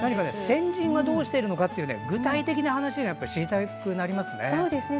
先人がどうしているのか具体的な話が知りたくなりますね。